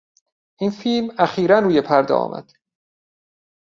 این فیلم اخیرا روی پرده آمد.